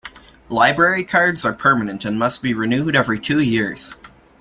Library cards are permanent and must be renewed every two years.